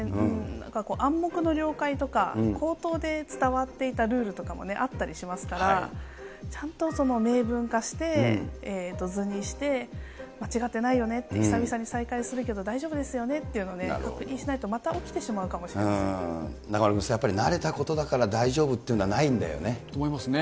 なんかこう、暗黙の了解とか、口頭で伝わっていたルールとかもあったりしますから、ちゃんと明文化して、図にして、間違ってないよねって、久々に再開するけど大丈夫ですよねっていうので、確認しないとま中丸君、慣れたことだから大丈夫っていうのはないんだよね。と思いますね。